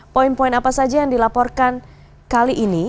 poin poin apa saja yang dilaporkan kali ini